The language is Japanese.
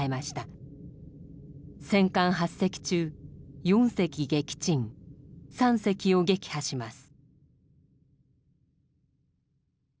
戦艦８隻中４隻撃沈３隻を撃破します。